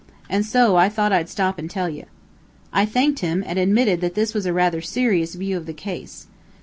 An' so, I thought I'd stop an' tell ye." I thanked him, and admitted that this was a rather serious view of the case.